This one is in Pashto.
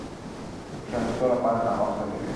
د کښېناستو لپاره ناوخته نه وي.